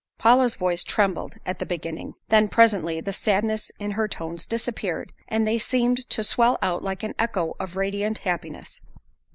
Paula's voice trembled at the beginning. Then presently the sadness in her tones disappeared, and they seemed to swell out like an echo of radiant happiness.